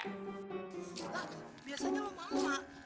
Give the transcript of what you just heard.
ah biasanya lo mau mak